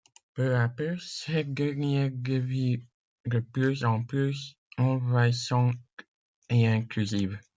Peu à peu, cette dernière devient de plus en plus envahissante et intrusive.